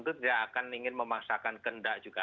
tentu dia akan ingin memaksakan gendak juga